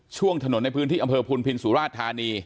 ช่วงถนนในพื้นที่อำเภอพุนพินสุราชธานี